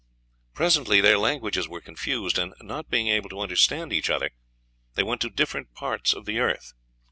Presently their languages were confused, and, not being able to understand each other, they went to different parts of the earth.